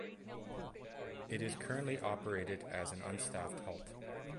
It is currently operated as an unstaffed halt.